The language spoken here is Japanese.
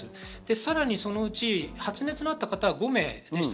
さらにそのうち発熱のあった方が５名でした。